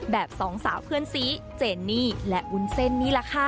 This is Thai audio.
สองสาวเพื่อนซีเจนนี่และวุ้นเส้นนี่แหละค่ะ